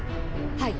はい。